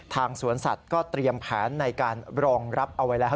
สวนสัตว์ก็เตรียมแผนในการรองรับเอาไว้แล้ว